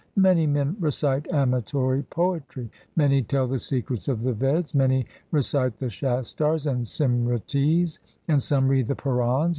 Many men recite amatory poetry, Many tell the secrets of the Veds, Many recite the Shastars and Simritis, And some read the Purans.